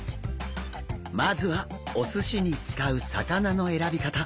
まずはお寿司に使う魚の選び方。